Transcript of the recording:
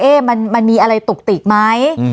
เอ๊มันมีอะไรตกติดไหม